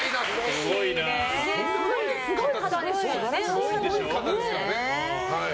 すごい方ですからね。